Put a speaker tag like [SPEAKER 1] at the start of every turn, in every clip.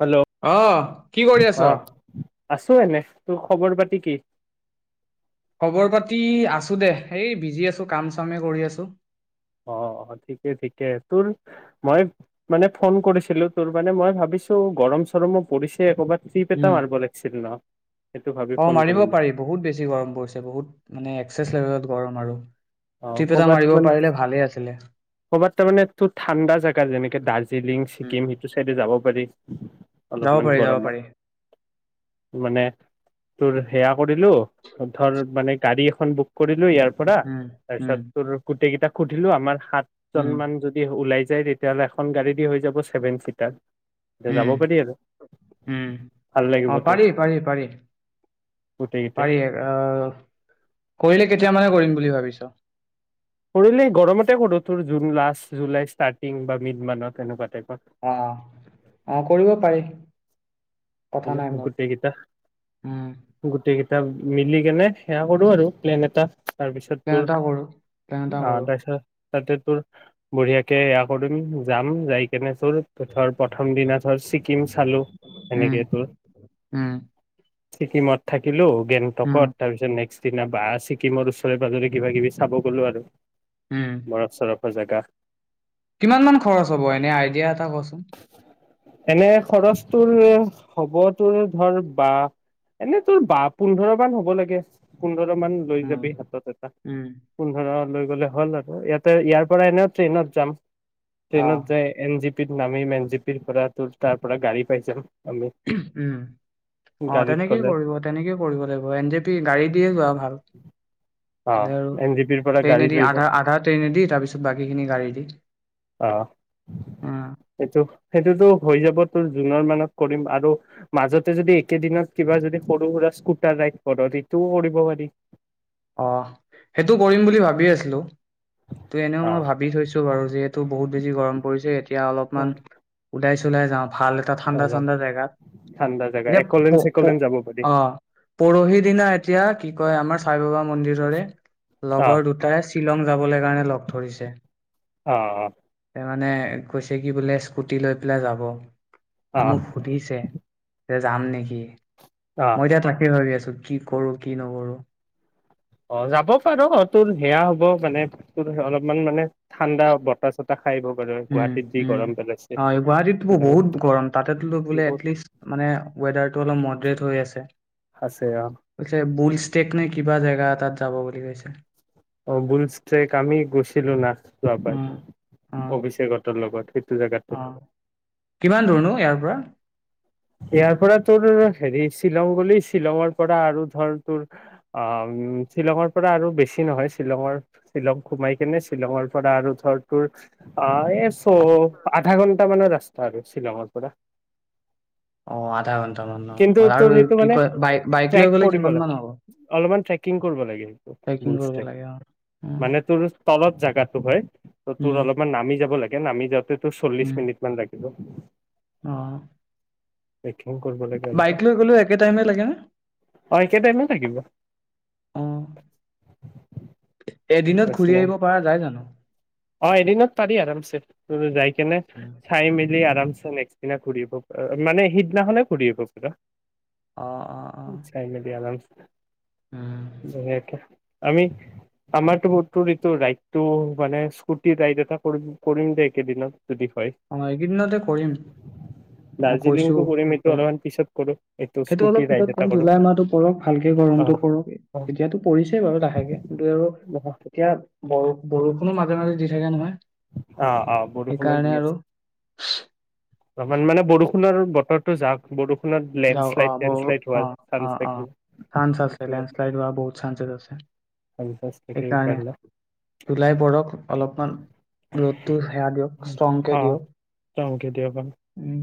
[SPEAKER 1] Hello
[SPEAKER 2] অ', কি কৰি
[SPEAKER 1] অ
[SPEAKER 2] আছ?
[SPEAKER 1] আছো এনে, তোৰ খবৰ পাতি কি?
[SPEAKER 2] খবৰ পাতি আছো দে এই বিজি আছো কাম চামে কৰি আছো।
[SPEAKER 1] অ', অ', ঠিকে ঠিকে তোৰ মই মানে ফোন কৰিছিলো তোৰ মানে মই ভাবিছো গৰম চৰমো পৰিছে একবাত। তিপেটা
[SPEAKER 2] উম
[SPEAKER 1] মাৰ বল একছিলছিল ন'। সেইটো ভাবি
[SPEAKER 2] অ',
[SPEAKER 1] ফোন
[SPEAKER 2] মাৰিব
[SPEAKER 1] কৰিলো
[SPEAKER 2] পাৰি বহুত বেছি গৰম পৰিছে বহুত মানে এক্সেছ লেভেলত গৰম আৰু।
[SPEAKER 1] অ',
[SPEAKER 2] ট্ৰিপ এটা
[SPEAKER 1] ক'বাত
[SPEAKER 2] মাৰিব
[SPEAKER 1] মানে
[SPEAKER 2] পাৰিলে ভালেই আছিলে
[SPEAKER 1] ক'বাত তাৰ মানেটো ঠাণ্ডা জোগা যেনেকে দাৰ্জিলিং
[SPEAKER 2] উম
[SPEAKER 1] ছিকিম সেইটো চাইডে যাব পাৰি। উম।
[SPEAKER 2] যাব পাৰি, যাব পাৰি।
[SPEAKER 1] মানে তোৰ সেয়া কৰিলো ধৰ মানে গাড়ী এখন বুক কৰিলো ইয়াৰ পৰা
[SPEAKER 2] উম উম
[SPEAKER 1] [unintelligible] সেইকেইটা সুধিলো আমাৰ।
[SPEAKER 2] উম
[SPEAKER 1] সাতজন মান যদি ওলাই যা যায় তেতিয়াহ'লে এখন গাড়ী দি হৈ যাব চেভেন চিটাৰ। এতিয়া যাব
[SPEAKER 2] উম,
[SPEAKER 1] পাৰি আৰু
[SPEAKER 2] উম,
[SPEAKER 1] ভাল লাগিব
[SPEAKER 2] অ',
[SPEAKER 1] তোৰ
[SPEAKER 2] পাৰি, পাৰি, পাৰি,
[SPEAKER 1] গোটেই কেইটাই
[SPEAKER 2] পাৰি, অ', কৰিলে কেতিয়া মানে কৰিম বুলি ভাবিছ?
[SPEAKER 1] কৰিলে গৰমতে কৰো তোৰ জুন লাষ্ট জুলাই ষ্টাৰ্টিং বা মিড মানত এনেকুৱা টাইপ।
[SPEAKER 2] অ', অ' কৰিব পাৰি। কথা নাই মোৰ
[SPEAKER 1] গোটেইকেইটা
[SPEAKER 2] উম
[SPEAKER 1] গোটেই ত মিলি কেনে সে সো আৰু প্লেন এটা তাৰপিছত
[SPEAKER 2] প্লেন
[SPEAKER 1] তোৰ
[SPEAKER 2] এটা কৰো প্লেন এটা
[SPEAKER 1] অ',
[SPEAKER 2] কৰো
[SPEAKER 1] তাৰপিছত তাতে তোৰ বঢ়িয়াকে এয়া কৰিম যাম যাই কেনে ত ধৰ প্ৰথম দিনা ধৰ ছিকিম চালো সেনেকে
[SPEAKER 2] হ
[SPEAKER 1] ছিকিমত থাকিলোও গেনটত তাৰপিছত নে্সট সদিনা বা ছিকিমৰ ওচৰে পাজৰে কিবা কিবি চাব গ'লো আৰু
[SPEAKER 2] উম
[SPEAKER 1] বাৰফ চাৰ স জাকা
[SPEAKER 2] কিমান মান খৰচ হ'ব এনে আইডিয়া এটা কচোন?
[SPEAKER 1] এনে খৰচটোৰ হ'ব তোৰ ধৰ বা এনে তোৰ বা পোন্ধৰ মান হ'ব লাগে পোন্ধৰ লৈ
[SPEAKER 2] উম,
[SPEAKER 1] যাবি হাতত এটা
[SPEAKER 2] উম।
[SPEAKER 1] পোন্ধৰ ল লে হ'ল আৰু ইয়াতে ইয়াৰ পৰা এনে ট্ৰেইনত যাম ট্ৰেইনত
[SPEAKER 2] অ'।
[SPEAKER 1] যায় এন জি পি তিত নামি মন জিপিৰ পৰা ত তাৰ পৰা গাড়ী পাই যাম আমি
[SPEAKER 2] অঁ
[SPEAKER 1] গাড়ীত
[SPEAKER 2] তেনেকেই
[SPEAKER 1] গ'লে
[SPEAKER 2] কৰিব তেনেকেই কৰিব লাগিব এন জে পি গাড়ী দিয়ে যোৱা ভাল
[SPEAKER 1] অ
[SPEAKER 2] হ'লে আৰু
[SPEAKER 1] এন জি পিৰ পৰা গাড়ী
[SPEAKER 2] ট্ৰেইনেদি
[SPEAKER 1] লৈ যাম
[SPEAKER 2] আধা আধা ট্ৰেইনেদি তাৰপিছত বাকীখিনি গাড়ী দি
[SPEAKER 1] অ সেইটো সেইটোতো হৈ যাব তোৰ জুনৰ মানত কৰিম আৰু মাজতে যদি একেদিনত কিবা যদি সৰু সুৰা স্কুটাৰ ৰাইড কৰ সেইটোও কৰিব পাৰি
[SPEAKER 2] অ সেইটো কৰিম বুলি ভাবি আছিলো ত এনেও মই
[SPEAKER 1] অ
[SPEAKER 2] ভাবি থৈছো বাৰু যিহেতু বহুত বেছি গৰম পৰিছে এতিয়া অলপমান উদাই চলাই যওঁ ভাল এটা ঠাণ্ডা
[SPEAKER 1] অ
[SPEAKER 2] ঠাণ্ডা জেগাত
[SPEAKER 1] ঠাণ্ডা জেগা
[SPEAKER 2] এতিয়া
[SPEAKER 1] একলেন
[SPEAKER 2] প
[SPEAKER 1] চেকলেন যাব পাৰি
[SPEAKER 2] অ পৰহি দিনা এতিয়া কি কয় আমাৰ চাইবাবা মন্দিৰৰে
[SPEAKER 1] অ
[SPEAKER 2] লগৰ দুটাৰে শ্বিলং যাবলৈ কাৰণে লগ ধৰিছে
[SPEAKER 1] অ অ
[SPEAKER 2] তাৰমানে কৈছে কি বোলে স্কুটি লৈ পেলাই যাব
[SPEAKER 1] অ
[SPEAKER 2] মোক সুধিছে তেতিয়া যাম নেকি
[SPEAKER 1] অ
[SPEAKER 2] মইতিাত ৰাখি ভাবি আছো কি কৰো কি নকৰো
[SPEAKER 1] অ যাব পাৰ অ তোৰ সেয়া হ'ব মানে তোৰ অলপমান মানে ঠাণ্ডা বতাহ চতাহ খাই আহিব পাৰ গুৱাহাটীত যি গৰম পেলাইছে
[SPEAKER 2] গুৱাহাটী
[SPEAKER 1] শ্বিলঙত
[SPEAKER 2] বহুত গৰম তাতে বো
[SPEAKER 1] বহুত
[SPEAKER 2] এিষ্ট মানে ৱেডাৰ অলপ মডৰেট হৈ আছে
[SPEAKER 1] আছে অ
[SPEAKER 2] টেকনে কিবা জেগা এ তাত যাব বুলি কৈছে
[SPEAKER 1] অ বুলছেক আমি গৈছিলিলো ন আাবাৰ
[SPEAKER 2] উম, অ',
[SPEAKER 1] অভিষেক লগত সেই
[SPEAKER 2] অ কিমান ধৰণো ইয়াৰ পৰা
[SPEAKER 1] ইয়াৰ পৰা তোৰ হেৰি শ্বিলং বুলি শ্বিলঙৰ পৰা আৰু ধৰ তোৰ আহ শ্বিলঙৰ পৰা আৰু বেছি নহয় শ্বিলঙৰ শ্বিলং সোমাই কেনে শ্বিলঙৰ পৰা আৰু ধৰ তোৰ আহ এই চ আধা ঘন্টা মানৰ ৰাস্তা আৰু শ্বিলঙৰ পৰা
[SPEAKER 2] অ আধা ঘন্টা
[SPEAKER 1] কিন্তু
[SPEAKER 2] মানৰ
[SPEAKER 1] তোৰ
[SPEAKER 2] আৰু
[SPEAKER 1] সেইটো
[SPEAKER 2] কি
[SPEAKER 1] মানে
[SPEAKER 2] কয় বাই বাইক লৈ গ'লে কিমান মান হ'ব
[SPEAKER 1] িং কৰিব লাগে
[SPEAKER 2] ট্ৰেকিং
[SPEAKER 1] বজ
[SPEAKER 2] কৰিব লাগে অ'। উম,
[SPEAKER 1] মানে তোৰ তলত জাগাতটো হয় ত তোৰ
[SPEAKER 2] উম,
[SPEAKER 1] অলপমান নামি যাব লাগে আমি যাতে তটো চল্লিশ মিনিট মান লাগিব
[SPEAKER 2] আহ
[SPEAKER 1] অ ল
[SPEAKER 2] একে টাইমে লাগে নে? অঁ, এদিনত ঘূৰি আহিব পৰা যায় জানো?
[SPEAKER 1] অ এদিনত পাৰি আম যাই কেনে চাই মি ৰি আৰাম নে্ দিনা ঘূৰিব অ মানে সিদিনা হলে ঘূৰিিব পা
[SPEAKER 2] অঁ, অঁ, অঁ।
[SPEAKER 1] চাই ম আৰাম দেেকে আমি আমাৰতোতটো ৰাইডটো মানে স্কুটি ৰাইড এটা কৰি কৰিম দে একেদিনত
[SPEAKER 2] অ এইকেইদিনতে কৰিম মই কৈছো
[SPEAKER 1] দাৰ্জিলিংটো কৰিম
[SPEAKER 2] কি
[SPEAKER 1] এইটো
[SPEAKER 2] কয়
[SPEAKER 1] অলপমান পিছত কৰো এইটো
[SPEAKER 2] সেইটো
[SPEAKER 1] স্কুটি
[SPEAKER 2] অলপ
[SPEAKER 1] ৰাইড
[SPEAKER 2] পিছত
[SPEAKER 1] এটা
[SPEAKER 2] কম
[SPEAKER 1] কৰো
[SPEAKER 2] জুলাই মাহটো পৰক ভালকে
[SPEAKER 1] অ
[SPEAKER 2] গৰমতটো পক
[SPEAKER 1] অ
[SPEAKER 2] এতিয়াতো পৰিছেই বাৰু লাহেকে কিন্তু আৰু এতিয়া ব বৰষুণো মাজে মাজে দি থাকে নহয়
[SPEAKER 1] অ অ বৰষো
[SPEAKER 2] সেইকাৰণে
[SPEAKER 1] দছে
[SPEAKER 2] [unintelligible]
[SPEAKER 1] অ মানে বৰষুণৰ বতৰো যাক বৰষুণ
[SPEAKER 2] যাও অ বহ অ অ অ
[SPEAKER 1] থাকিল
[SPEAKER 2] চান্স আছে লেণ্ড শ্লাইড হোৱা বহুত চান্সেছ আছে
[SPEAKER 1] চান্সেছ থাকে
[SPEAKER 2] সেইকাৰণে জুলাই পৰক অলপমান ৰ'দটো সেৱা দিয়ক ষ্ট্ৰংকে
[SPEAKER 1] অ টমকে আৰু
[SPEAKER 2] দিয়ক উ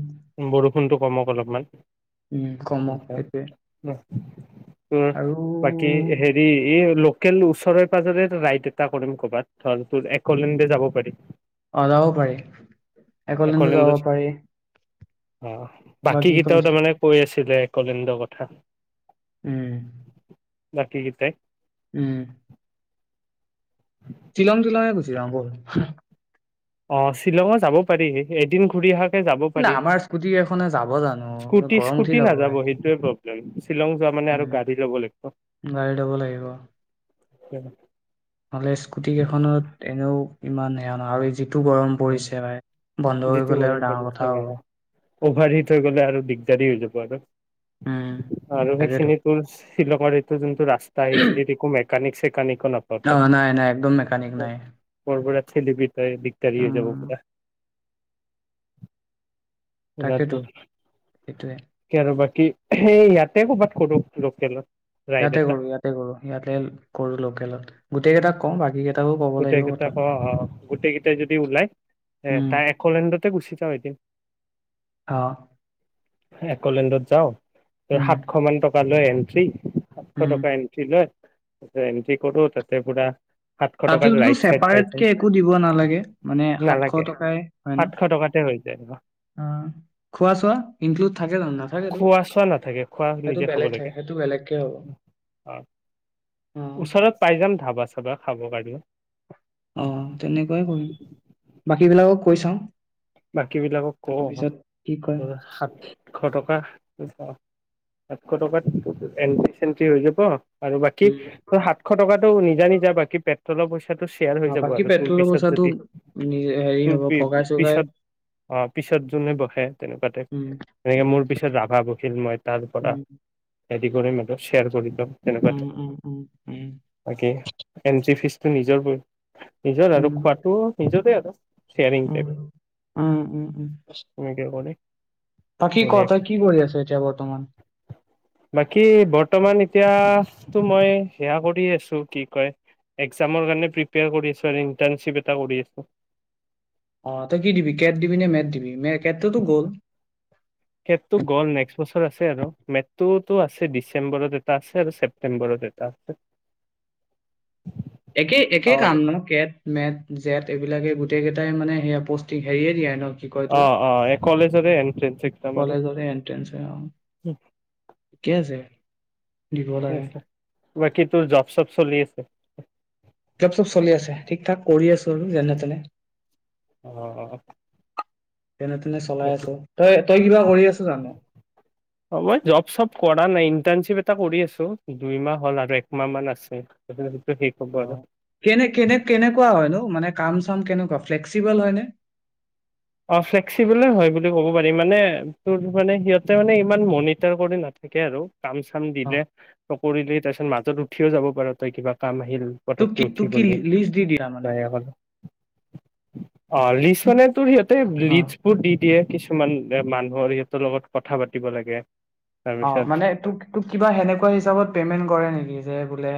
[SPEAKER 1] বৰষুণটো কমক অলপমান
[SPEAKER 2] উম কমক সেইটোৱে
[SPEAKER 1] উ
[SPEAKER 2] আৰু
[SPEAKER 1] বাকি হেৰি এই ল ওচৰে পাজৰে ৰাইড এটা কৰিম কৰবাত ধ তোৰ একলেণ্ডে যাব পাৰি
[SPEAKER 2] অ যাব পাৰি একলেন যাব
[SPEAKER 1] একলেণ্ডত
[SPEAKER 2] পাৰি
[SPEAKER 1] অ বাকী কেইটাও তাৰমানে কৈ আছিলে কলেণ্ডৰ কথা
[SPEAKER 2] উম
[SPEAKER 1] বাকী কিতাই
[SPEAKER 2] উম চিলং চিলং কে গোছিলিলাম বৈল
[SPEAKER 1] অ শ্বিলঙত যাব পাৰিি এদিন ঘূৰি আহাক যাব
[SPEAKER 2] কিন্তু
[SPEAKER 1] পাৰি
[SPEAKER 2] আমাৰ স্কুটি এখনে যাব জানো
[SPEAKER 1] স্কুটি
[SPEAKER 2] গৰম উঠি
[SPEAKER 1] স্কুটি
[SPEAKER 2] যাব
[SPEAKER 1] নাযাব
[SPEAKER 2] ভাই
[SPEAKER 1] সেইটোোৱে প্ৰব্লেম শ্বিলং যোৱা মানে আৰু
[SPEAKER 2] উম,
[SPEAKER 1] গাড়ী ল'ব লাগিব
[SPEAKER 2] গাড়ী ল'ব লাগিব
[SPEAKER 1] অ [unintelligible]
[SPEAKER 2] নহ'লে স্কুটি কেইখনত এনেও ইমান সেয়া নহয় আৰু যিটো গৰম পৰিছে ভাই বন্ধ হৈ
[SPEAKER 1] যিটো
[SPEAKER 2] গ'লে
[SPEAKER 1] গৰম
[SPEAKER 2] আৰু ডাঙৰ
[SPEAKER 1] পৰিছে
[SPEAKER 2] কথাও হ'ব
[SPEAKER 1] অভাৰ হিট হৈ গ'লে আৰু দিগদাৰী হৈ যাব আৰু
[SPEAKER 2] উম,
[SPEAKER 1] আৰু
[SPEAKER 2] তাকেতো
[SPEAKER 1] সেইখিনিৰ ছিলং ৰ এই টো যোন ৰাস্ত আহিছিলে মে কনিক কনিক
[SPEAKER 2] অ নাই নাই একদম মেকানিক নাই
[SPEAKER 1] চিলি পিঠ তয়ে যাব
[SPEAKER 2] উম,
[SPEAKER 1] পোৱা
[SPEAKER 2] তাকেতো
[SPEAKER 1] ৰাটো
[SPEAKER 2] সেইটোৱে
[SPEAKER 1] ক বাকী কি স ইয়াতে ক'ৰবাত কৰো লোকেলত ৰাইড
[SPEAKER 2] ইয়াতে
[SPEAKER 1] এটা
[SPEAKER 2] কৰো ইয়াতে কৰো ইয়াতে কৰো লোকেলত গোটেই কেইটাক কওঁ বাকী কেইটাকো ক'ব
[SPEAKER 1] গোটেই
[SPEAKER 2] লাগিব
[SPEAKER 1] কেইটা ক
[SPEAKER 2] কথাটো
[SPEAKER 1] অ গোটেই কেইটাই যদি ওলাই এ
[SPEAKER 2] উম
[SPEAKER 1] তাৰ এলেণ্ডতে গুচি থা হৈ কিম
[SPEAKER 2] অ
[SPEAKER 1] এ কলেণ্ডত যাওঁ
[SPEAKER 2] উম
[SPEAKER 1] সাতশ মান টকা ল এণ্ট্ৰি আঠশ
[SPEAKER 2] উম
[SPEAKER 1] টকা এন্টি লয় ত এন্টি কৰো তাতে পৰা
[SPEAKER 2] তাত দেখো চাপাৰেতকে একু দিব নেৰাখে মানে সাতশ
[SPEAKER 1] নালাগে
[SPEAKER 2] টকা য়ে হয় ন
[SPEAKER 1] সাতশ টকাতে হৈ যায়
[SPEAKER 2] অ খুৱা চুবা ইনকুলুট নাথাকে ন
[SPEAKER 1] খোৱা চোৱা নাথাকে খোৱা
[SPEAKER 2] সেইটো
[SPEAKER 1] নিজে খাব লাগে
[SPEAKER 2] বেলেগ কে হ'ব অ
[SPEAKER 1] ওচৰত পাই যাম ধাবা চাবা খাব পাৰি কি হ'ল
[SPEAKER 2] অ তেনেকুৱাই কৰিম বাকী বিলাকক কৈ চাওঁ
[SPEAKER 1] বাকী বিলাকক কওঁ
[SPEAKER 2] তাৰপিছত কি কয়
[SPEAKER 1] সাতশ টকা সাতশ টকাত এণ্ট্ৰি চেণ্ট্ৰি হৈ যাব আৰু বাকী
[SPEAKER 2] উম
[SPEAKER 1] ত সাতশ টকাতটো নিজা নিজা বাকী পেট্ৰলৰ পইচাটো শ্বেয়াৰ হৈ
[SPEAKER 2] অ
[SPEAKER 1] যাব
[SPEAKER 2] বাকী
[SPEAKER 1] আৰু তোৰ
[SPEAKER 2] পেট্ৰলৰ
[SPEAKER 1] পিছত
[SPEAKER 2] পইচাটো
[SPEAKER 1] যদি
[SPEAKER 2] নিজ হেৰি
[SPEAKER 1] তোৰ
[SPEAKER 2] হ'ব ভগাই চগাই
[SPEAKER 1] পিছত অ পিছত যোনে বহে তেনেকুৱাতে
[SPEAKER 2] উম
[SPEAKER 1] তেনেকে
[SPEAKER 2] উম
[SPEAKER 1] মোৰ পিছত ৰাভা বহিল মই তাৰ পৰা
[SPEAKER 2] উম
[SPEAKER 1] কৰিম এটা শ্বেয়াৰ কৰি দম তেনেকুৱ
[SPEAKER 2] উম উম উম
[SPEAKER 1] বাকী এনট্ৰি ফিজ ত নিজৰ বৈ নিজৰ
[SPEAKER 2] উম
[SPEAKER 1] আৰু
[SPEAKER 2] উম
[SPEAKER 1] খোৱাটো নিজতে আৰু [inaudible]
[SPEAKER 2] উম,
[SPEAKER 1] শেয়াৰিংটো
[SPEAKER 2] উম উম উম
[SPEAKER 1] কনে
[SPEAKER 2] বাকী ক
[SPEAKER 1] বঢ়িয়াক
[SPEAKER 2] তই কি কৰি আছ এতিয়া বৰ্তমান?
[SPEAKER 1] বাকী বৰ্তমান এতিয়া মই সেয়া কৰি আছো কি কয় একজামৰ কাৰণে প্ৰিপেয়াৰ কৰি আছোঁ আৰু ইণ্টাৰ্ণশ্বিপ এটা কৰি আছো
[SPEAKER 2] অ তই কি দিবি কেট দিবি নে মেট দিবি মে কেটটোতো গ'ল
[SPEAKER 1] সেইটো গ'ল নেক্সট বছৰ আছে আৰু মেথটোতো আছে ডিচেম্বৰত এটা আছে আৰু ছেপ্তেম্বৰত এটা আছে
[SPEAKER 2] একেই
[SPEAKER 1] অ
[SPEAKER 2] একেই কাম ন কে মেট জেট এইবিলাকে গোটেই কেইটাই মানে সেয়া পষ্টিক হেৰিয়ে দিয়ে ন কি কয় তোৰ
[SPEAKER 1] অ এই কলেজৰে এন্ট্ৰেন্স এক্সাম আৰু
[SPEAKER 2] কলেজতে এণ্ট্ৰেন্স হয় ঠিকে আছে দিব
[SPEAKER 1] ঠিকে
[SPEAKER 2] লাগে
[SPEAKER 1] আছে। বাকী তোৰ জব চব চলি আছে
[SPEAKER 2] জব চব চলি আছে ঠিক ঠাক কৰি আছো আৰু যেনে তেনে
[SPEAKER 1] অ
[SPEAKER 2] যেনে তেনে চলাই
[SPEAKER 1] বাকী
[SPEAKER 2] আছো তই তই কিবা কৰি আছো জান
[SPEAKER 1] টা কৰি আছো দুই মাহ হল আৰু একমাহ মান আছে শেষ হ'ব
[SPEAKER 2] অ
[SPEAKER 1] আৰু
[SPEAKER 2] কেনে কেনে কেনেকুৱা হয়নো মানে কাম চাম কেনেকুৱা ফ্লেক্সিবল হয়নে
[SPEAKER 1] অ ফ্লেক্সিবলে হয় বুলি ক'ব পাৰি মানে তোৰ মানে সিহঁতে মানে ইমান মনিটাৰ কৰি নাথাকে আৰু কাম চাম
[SPEAKER 2] অ
[SPEAKER 1] দিলে কৰিলেই তাৰপিছত মাজত উঠিয়ও যাব পাৰ তই কিবা কাম আহিল
[SPEAKER 2] তোক কি
[SPEAKER 1] পতককে
[SPEAKER 2] তোক
[SPEAKER 1] উঠি
[SPEAKER 2] কি
[SPEAKER 1] প
[SPEAKER 2] লিষ্ট দি দিয়ে মানে?
[SPEAKER 1] বাহয়া [inaudible] হল অ লিচ
[SPEAKER 2] তোক
[SPEAKER 1] মানে তোৰ সিহঁত
[SPEAKER 2] অ।
[SPEAKER 1] লিজপুৰ কিছুমান এ মানুহৰ সিহঁতৰ লগত কথা পাতিব লাগে
[SPEAKER 2] অ
[SPEAKER 1] তাৰপিছত
[SPEAKER 2] মানে তোক তোক কিবা সেনেকুৱা হিচাপত পেমেণ্ট কৰে নেকি যে বোলে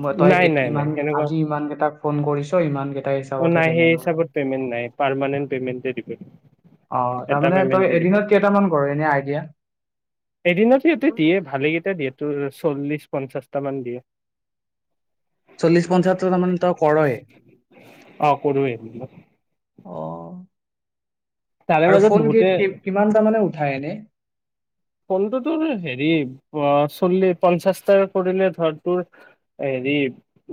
[SPEAKER 2] মই তই
[SPEAKER 1] নাই
[SPEAKER 2] এত-
[SPEAKER 1] নাই নাই
[SPEAKER 2] ইমান
[SPEAKER 1] সেনেকুৱা
[SPEAKER 2] আজি ইমান কেইটাক ফোন কৰিছ ইমান কেইটা হিচাপতহে
[SPEAKER 1] নাই সেই
[SPEAKER 2] পেমেন্ট কৰে?
[SPEAKER 1] হিচাপত পেমেণ্ট নাই পাৰ্মানেণ্ট পেমেণ্টে দিব উ [inaudible]
[SPEAKER 2] অ তাৰমানে তই এদিনত কেইটামান কৰ এনে আইডিয়া।
[SPEAKER 1] ত চল্লিশ পঞ্চাশটা মান দিয়ে।
[SPEAKER 2] চল্লিশ পঞ্চাতৰ তাৰ মানে ত কৰহে
[SPEAKER 1] অ কৰোৱে
[SPEAKER 2] আহ
[SPEAKER 1] তাৰে
[SPEAKER 2] আৰু
[SPEAKER 1] মাজত
[SPEAKER 2] ফোন গ
[SPEAKER 1] বহুতে
[SPEAKER 2] কিমানটা মানে উ হয়নে?
[SPEAKER 1] ফোনটো তোৰ হেৰি চল্লিশ পঞ্চাশটাাৰ কৰিলে ধৰ তোৰ হেৰি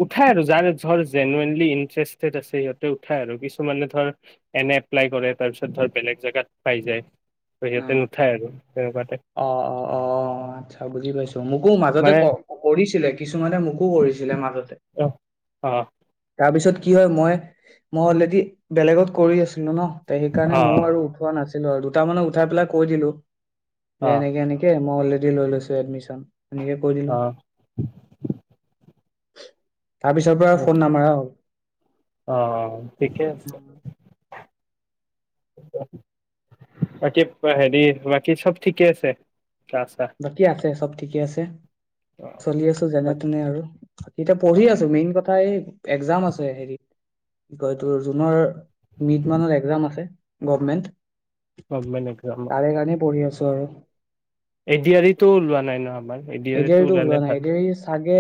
[SPEAKER 1] উঠাই আৰু যাৰ ধৰ জেনুৱনলি ইটাৰেষ্টেড আছে সিহঁতে উঠাই আৰু কিছুমানে ধৰ এনে এপ্লাই কৰে তাৰপিছত ধ বেলেগ জেগাত পাই যায়। হেৰি ইয়াতে নঠাই আৰু তেনেকোৱাত
[SPEAKER 2] অ অ অ আচ্ছা বুজি পাইছো মোকো
[SPEAKER 1] টাইপ
[SPEAKER 2] মাজতে
[SPEAKER 1] মানে
[SPEAKER 2] কৰিছিলে কিছুমানে মোকো কৰিছিলে মাজতে
[SPEAKER 1] অ অ
[SPEAKER 2] তাৰপিছত কি হয় মই মই অলৰেডি বেলেগত কৰি আছো আছিলো ন সেইকাৰণে
[SPEAKER 1] অ
[SPEAKER 2] ময়ো আৰু উঠোৱা নাছিল কিন্তু আৰু দুট মানত উঠাই পেলাই কৈ দিলো
[SPEAKER 1] অ
[SPEAKER 2] যেনেক এনেকে মই অলৰেডি লৈ লৈছো এডমিশচন। সনেকে কৈ দিলো
[SPEAKER 1] অ
[SPEAKER 2] তাৰ পিছৰ পৰা ফোন নামাৰা হ'ল
[SPEAKER 1] অ ঠিকে আছে বাকী হেৰি বাকী চব ঠিকে আছে গা চা
[SPEAKER 2] বাকী আছে চব ঠিকে আছে
[SPEAKER 1] অ
[SPEAKER 2] চলি আছো যেনে তেনে আৰু এতিয়া পঢ়ি
[SPEAKER 1] অ
[SPEAKER 2] আছো মেইন কথা এই এক্সজাম আছে হেৰিত কি কয়টো জুনৰ মিড মানত এক্সজাম আছে গভমেন্ট
[SPEAKER 1] অ মনেকে আম
[SPEAKER 2] ছৰ
[SPEAKER 1] এডি আাৰতো ওলোৱা নাই ন আমাৰ ডি
[SPEAKER 2] এ
[SPEAKER 1] আৰ ই টো
[SPEAKER 2] দেৰিতো
[SPEAKER 1] ওলালে
[SPEAKER 2] ওলোৱা নাই এ
[SPEAKER 1] ভাল
[SPEAKER 2] দেউৰি চাগে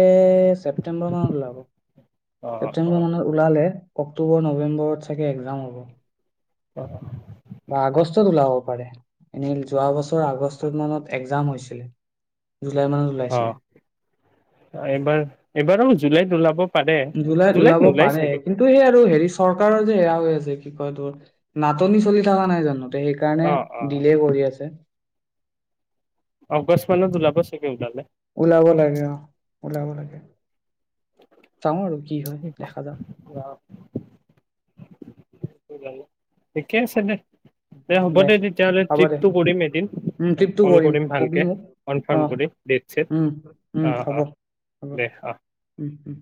[SPEAKER 2] ছেপটেম্বৰ মানত ওলাব
[SPEAKER 1] অ অ
[SPEAKER 2] ছেপ্তেম্বৰ মানত ওলাল অক্টোবৰ নৱেম্বৰত চাগে এক্সজাম হ'ব
[SPEAKER 1] অহ
[SPEAKER 2] বা আগষ্টত ওলাব পাৰে এনে যোৱা বছৰ আগষ্ট মানত এক্সজাম হৈছিলে জুলাই মানত
[SPEAKER 1] অ
[SPEAKER 2] ওলাইছিলে
[SPEAKER 1] এইবাৰ এইবাৰো জুলাইত ওলাব পাৰে
[SPEAKER 2] জলাই
[SPEAKER 1] জুলাইত
[SPEAKER 2] ওলাব
[SPEAKER 1] নোলাই
[SPEAKER 2] পাৰে
[SPEAKER 1] চাগে
[SPEAKER 2] কিন্তু সেই আৰু হেৰি চৰকাৰৰ যে এেৰা হৈ আছে কি কয় তোৰ ন নাটনি চলি থকা নাই জানোতে সেইকাৰণে
[SPEAKER 1] অ অ
[SPEAKER 2] দিলে কৰি আছে।
[SPEAKER 1] অগষ্ট মান ওলাব ছাগে ওলালে
[SPEAKER 2] ওলাব লাগে অ। ওলাব লাগে। চাওঁ আৰু কি হয় দেখা যাও
[SPEAKER 1] অ ঠিকে আছে দে। দে হ'ব দে তেতিয়াহ'লে
[SPEAKER 2] হ'ব দে
[SPEAKER 1] ট্ৰিপটো কৰিম এদিন।
[SPEAKER 2] উম ট্ৰিপটো
[SPEAKER 1] কল কৰিম
[SPEAKER 2] কবি
[SPEAKER 1] ভালকে,
[SPEAKER 2] মোক অ
[SPEAKER 1] কনফাৰ্ম কৰিম দেট
[SPEAKER 2] উম
[SPEAKER 1] চেত।
[SPEAKER 2] উম
[SPEAKER 1] অ
[SPEAKER 2] হ'ব
[SPEAKER 1] অ
[SPEAKER 2] হ'ব
[SPEAKER 1] দে আহ।
[SPEAKER 2] উম উম